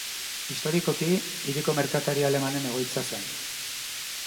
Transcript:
Historikoki hiriko merkatari alemanen egoitza zen.